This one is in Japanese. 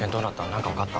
何か分かった？